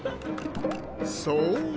そう！